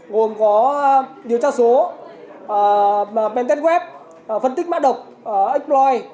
gồm có điều tra số pen test web phân tích mát độc exploit